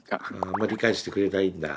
あんま理解してくれないんだ。